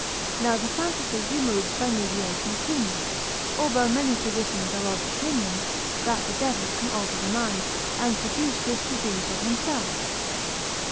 Now the phantasy he moves by mediation of humours; although many physicians are of opinion, that the devil can alter the mind, and produce this disease of himself.